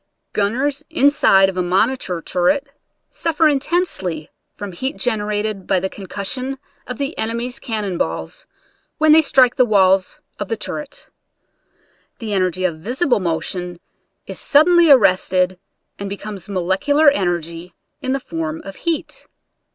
Gunners inside of a monitor turret suffer intensely from heat generated by the con cussion of the enemies' cannon balls when they strike the walls of the turret. The en ergy of visible motion is suddenly arrested and becomes molecular energy in the form of heat.